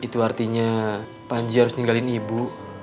nah panji harus ninggalin ibu